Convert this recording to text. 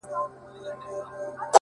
• تا ولي هر څه اور ته ورکړل د یما لوري ـ